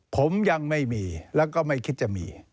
ผมยังไม่มีแล้วก็ไม่คิดจะมี